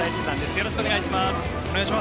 よろしくお願いします。